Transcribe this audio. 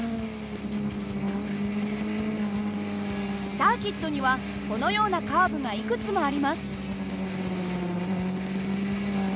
サーキットにはこのようなカーブがいくつもあります。